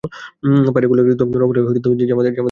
পায়ের গোড়ালির ত্বক নরম হলে ঝামা দিয়ে হালকা করে ঘষে নিন।